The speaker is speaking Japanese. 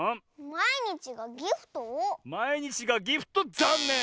「まいにちがギフト」ざんねん！